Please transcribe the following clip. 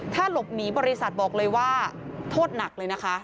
ถ้าหลบหนีบริษัทบอกเลยว่าโทษหนักเลยนะคะ